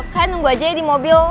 kalian nunggu aja ya di mobil